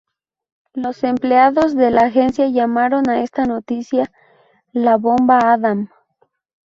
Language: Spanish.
Los empleados de la Agencia llamaron a esta noticia la "bomba Adam".